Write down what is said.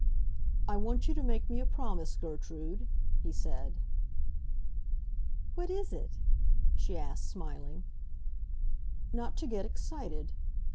"I want you to make me a promise, Gertrude," he said. "What is it?" she asked, smiling. "Not to get excited.